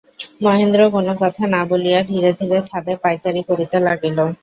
মহেন্দ্র কোনো কথা না বলিয়া ধীরে ধীরে ছাদে পায়চারি করিতে লাগিল।